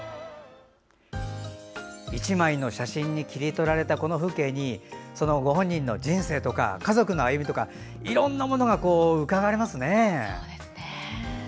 １枚の写真に切り取られたこの風景にご本人の人生とか家族の歩みとかいろんなものがうかがえますね。